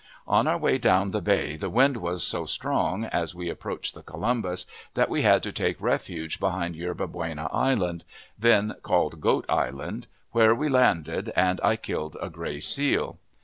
On our way down the bay the wind was so strong, as we approached the Columbus, that we had to take refuge behind Yerba Buena Island, then called Goat Island, where we landed, and I killed a gray seal.